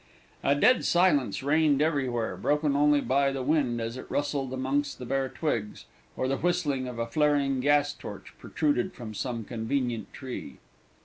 A dead silence reigned everywhere, broken only by the wind as it rustled amongst the bare twigs, or the whistling of a flaring gas torch protruding from some convenient tree.